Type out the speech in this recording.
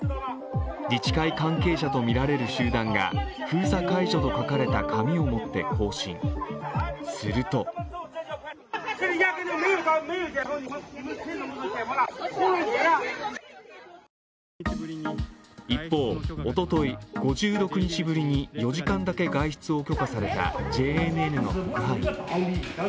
自治会関係者とみられる集団が「封鎖解除」と書かれた紙を持って行進、すると一方、おととい５６日ぶりに４時間だけ外出を許可されたＪＮＮの特派員。